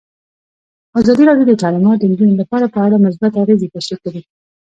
ازادي راډیو د تعلیمات د نجونو لپاره په اړه مثبت اغېزې تشریح کړي.